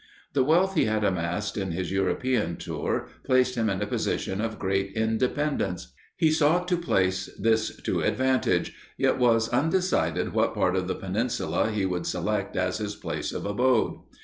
The wealth he had amassed in his European tour, placed him in a position of great independence. He sought to place this to advantage, yet was undecided what part of the Peninsula he would select as his place of abode.